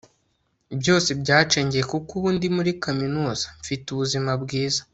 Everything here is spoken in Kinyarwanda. byose byacengeye, kuko ubu ndi muri kaminuza, mfite ubuzima bwiza